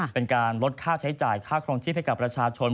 เป็นการลดค่าใช้จ่ายค่าครองชีพให้กับประชาชน